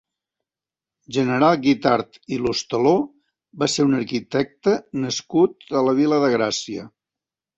General Guitart i Lostaló va ser un arquitecte nascut a la Vila de Gràcia.